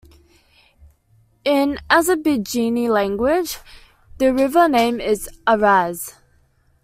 In Azerbaijani language, the river name is "Araz".